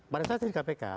pada saat saya di kpk